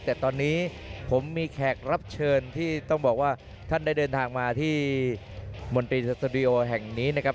แต่ตอนนี้ผมมีแขกรับเชิญที่ต้องบอกว่าท่านได้เดินทางมาที่มนตรีสตูดิโอแห่งนี้นะครับ